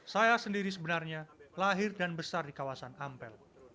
saya sendiri sebenarnya lahir dan besar di kawasan ampel